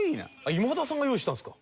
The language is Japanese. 今田さんが用意したんですか？